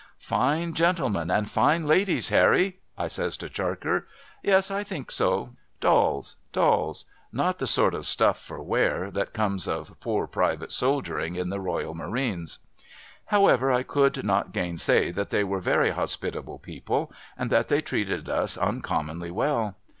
' Fine gentlemen and fine ladies, Harry ?' I says to Charker, ' Yes, I think so ! Dolls ! Dolls ! Not the sort of stuff for wear, that comes of poor private soldiering in the Royal Marines !' However, I could not gainsay that they were very hospitable people, and that they treated us uncommonly well.